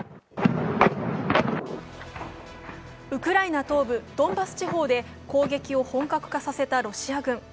ウクライナ東部ドンバス地方で攻撃を本格化させたロシア軍。